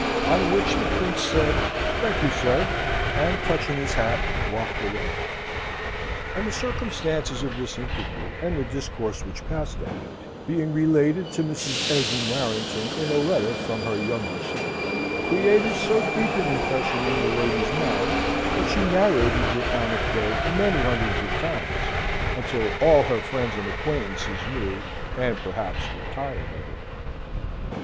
On which the Prince said, "Thank you, sir," and, touching his hat, walked away. And the circumstances of this interview, and the discourse which passed at it, being related to Mrs. Esmond Warrington in a letter from her younger son, created so deep an impression in that lady's mind, that she narrated the anecdote many hundreds of times until all her friends and acquaintances knew and, perhaps, were tired of it.